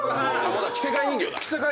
着せ替え人形だ！